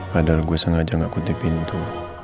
padahal gue sengaja gak kutip pintu